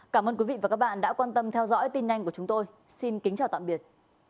cảm ơn quý vị và các bạn đã quan tâm theo dõi tin nhanh của chúng tôi xin kính chào tạm biệt